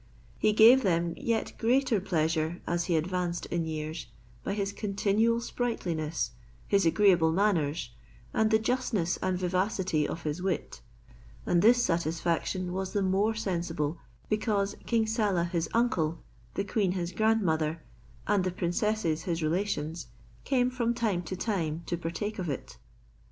He gave them yet greater pleasure as he advanced in years, by his continual sprightliness, his agreeable manners, and the justness and vivacity of his wit; and this satisfaction was the more sensible, because King Saleh his uncle, the queen his grandmother, and the princesses his relations, came from time to time to partake of it.